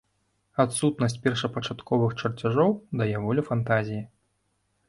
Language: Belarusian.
Адсутнасць першапачатковых чарцяжоў дае волю фантазіі.